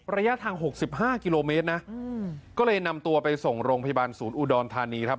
ระยะทาง๖๕กิโลเมตรนะก็เลยนำตัวไปส่งโรงพยาบาลศูนย์อุดรธานีครับ